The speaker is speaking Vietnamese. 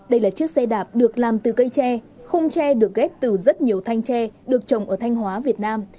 đây là chiếc xe đạp được làm từ cây tre khung tre được ghép từ rất nhiều thanh tre được trồng ở thanh hóa việt nam